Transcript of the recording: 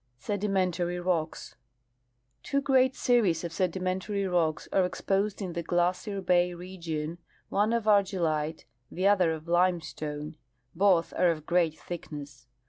Sedimentary Rocks. Two great series of sedimentary rocks are exposed in the Glacier bay region, one of argillite, the other of limestone ; both are of great thickness.